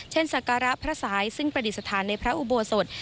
สักการะพระสายซึ่งประดิษฐานในพระอุโบสถ